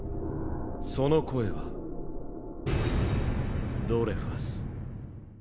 その声はドレファス。